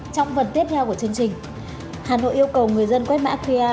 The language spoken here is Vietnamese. trong phần tiếp theo của chương trình hà nội yêu cầu người dân quét mã qr